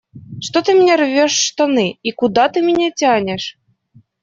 Что ты мне рвешь штаны и куда ты меня тянешь?